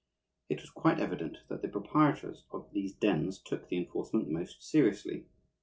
It was quite evident that the proprietors of these dens took the enforcement most seriously.